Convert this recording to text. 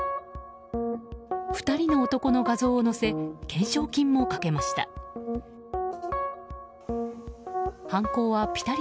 ２人の男の画像を載せ懸賞金もかけました。